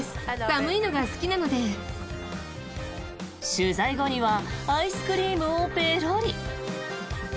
取材後にはアイスクリームをペロリ。